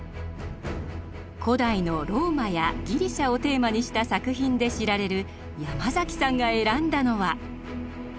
古代のローマやギリシャをテーマにした作品で知られるヤマザキさんが選んだのは？